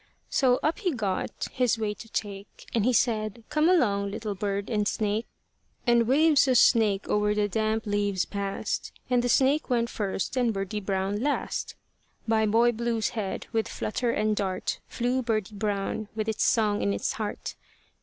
So up he got, his way to take, And he said, "Come along, little bird and snake." And waves of snake o'er the damp leaves passed, And the snake went first and Birdie Brown last; By Boy Blue's head, with flutter and dart, Flew Birdie Brown with its song in its heart.